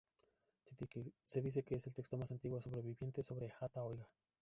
Se dice que es el texto más antiguo sobreviviente sobre hatha-ioga.